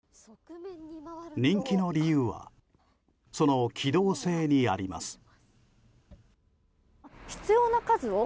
人気の理由はその機動性にあります。